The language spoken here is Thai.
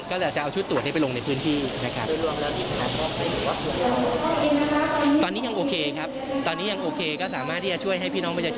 ก็อาจจะเอาชุดตรวจในพื้นที่